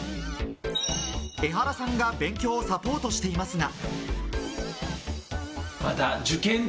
エハラさんが勉強をサポートしていますが。